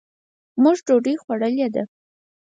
مونږ ډوډۍ خوړلې ده.